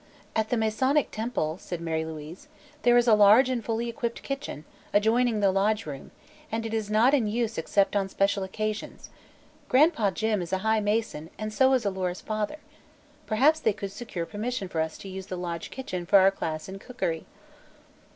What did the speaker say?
"At the Masonic Temple," said Mary Louise, "there is a large and fully equipped kitchen, adjoining the lodge room, and it is not in use except on special occasions. Gran'pa Jim is a high Mason, and so is Alora's father. Perhaps they could secure permission for us to use the lodge kitchen for our class in cookery."